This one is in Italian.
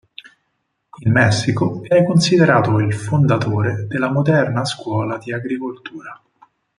In Messico viene considerato il fondatore della moderna scuola di agricoltura.